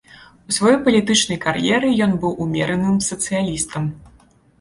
У сваёй палітычнай кар'еры ён быў умераным сацыялістам.